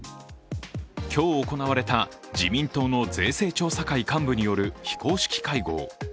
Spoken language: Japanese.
今日行われた自民党の税制調査会幹部による非公式会合。